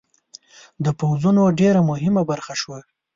د پوځونو ډېره مهمه برخه شوه.